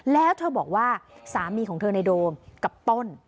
แล้วเธอบอกว่าสามีของเธอในโดมกับต้น